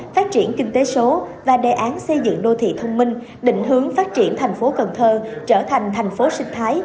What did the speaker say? phát triển kinh tế số và đề án xây dựng đô thị thông minh định hướng phát triển thành phố cần thơ trở thành thành phố sinh thái